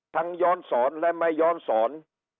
ทั้งย้อนศรและไม่ย้อนศร